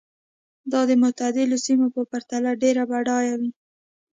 دا د معتدلو سیمو په پرتله ډېرې بډایه وې.